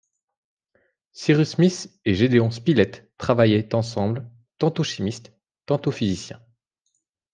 Cyrus Smith et Gédéon Spilett travaillaient ensemble, tantôt chimistes, tantôt physiciens